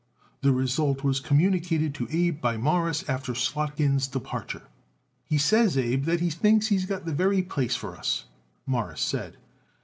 The result was communicated to Abe by Morris after Slotkin's departure. "He says, Abe, that he thinks he's got the very place for us," Morris said.